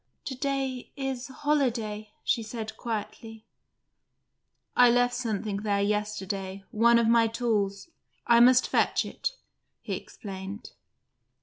"To day is holiday," she said quietly. "I left something there yesterday: one of my tools. I must fetch it," he explained.